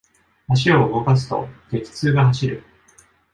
足を動かすと、激痛が走る。